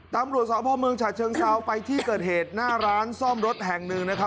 ตำรวจสาวพ่อเมืองฉะเชิงเซาไปที่เกิดเหตุหน้าร้านซ่อมรถแห่งหนึ่งนะครับ